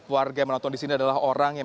warga yang menonton di sini adalah orang yang